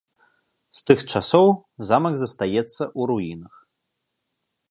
З тых часоў замак застаецца ў руінах.